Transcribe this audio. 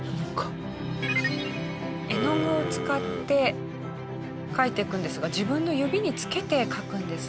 絵の具を使って描いていくんですが自分の指につけて描くんですね。